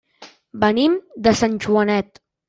Venim de Sant Joanet.